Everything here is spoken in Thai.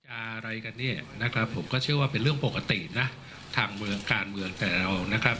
อะไรกันเนี่ยนะครับผมก็เชื่อว่าเป็นเรื่องปกตินะทางเมืองการเมืองแต่เรานะครับ